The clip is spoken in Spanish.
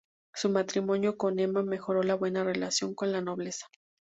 Su matrimonio con Emma mejoró la buena relación con la nobleza.